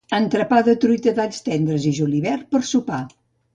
Entrepà de truita d'alls tendres i julivert per sopar